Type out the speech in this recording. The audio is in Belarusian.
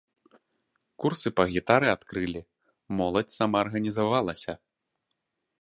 Курсы па гітары адкрылі, моладзь самаарганізавалася.